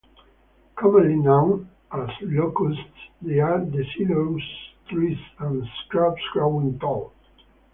Commonly known as locusts, they are deciduous trees and shrubs growing tall.